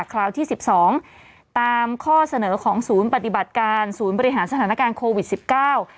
คราวที่สิบสองตามข้อเสนอของศูนย์ปฏิบัติการศูนย์บริหารสถานการณ์โควิดสิบเก้า